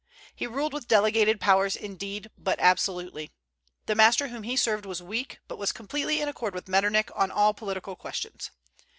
He ruled with delegated powers indeed, but absolutely. The master whom he served was weak, but was completely in accord with Metternich on all political questions.